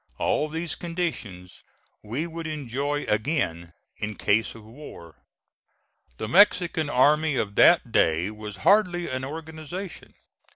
All these conditions we would enjoy again in case of war. The Mexican army of that day was hardly an organization.